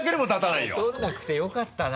いや取らなくてよかったな。